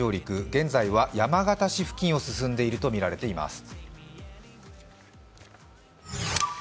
現在は山形市付近を進んでいるとみられます。